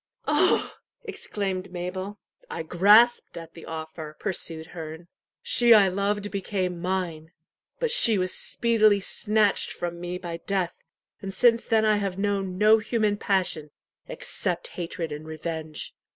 "Oh!" exclaimed Mabel. "I grasped at the offer," pursued Herne. "She I loved became mine. But she was speedily snatched from me by death, and since then I have known no human passion except hatred and revenge.